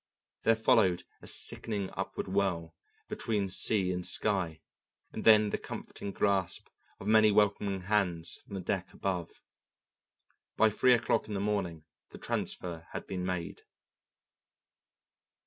There followed a sickening upward whirl between sea and sky, and then the comforting grasp of many welcoming hands from the deck above. By three o'clock in the morning the transfer had been made.